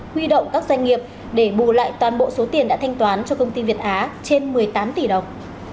huy động các doanh nghiệp để bù lại toàn bộ số tiền đã thanh toán cho công ty việt á trên một mươi tám tỷ đồng